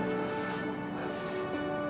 terima kasih banyak ustaz